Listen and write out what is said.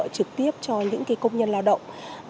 trực tiếp cho những công nhân lao động